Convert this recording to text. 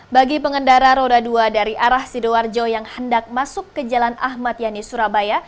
bagi pengendara roda dua dari arah sidoarjo yang hendak masuk ke jalan ahmad yani surabaya